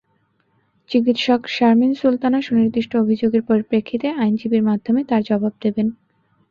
চিকিত্সক শারমিন সুলতানা সুনির্দিষ্ট অভিযোগের পরিপ্রেক্ষিতে আইনজীবীর মাধ্যমে তার জবাব দেবেন।